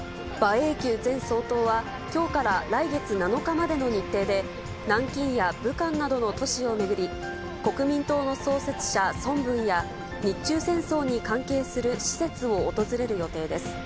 英九前総統は、きょうから来月７日までの日程で、南京や武漢などの都市を巡り、国民党の創設者、孫文や日中戦争に関係する施設を訪れる予定です。